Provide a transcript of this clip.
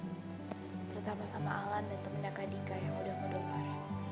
terutama sama alan dan temennya kadika yang udah ngedonor